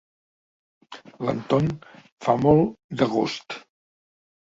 L'Anton fa molt d'agost.